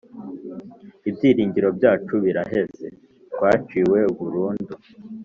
ibyiringiro byacu biraheze twaciwe burundu